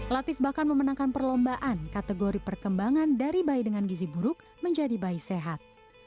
latif bahkan memenangkan perlombaan kategori perkembangan dari bayi dengan gizi buruk menjadi bayi sehat